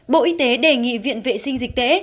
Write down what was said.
bộ y tế đề nghị viện vệ sinh dịch tễ